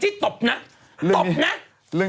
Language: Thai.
ฉันต้องถามคุณเอ